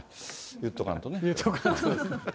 言っとかないとね。